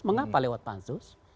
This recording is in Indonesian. mengapa lewat pansus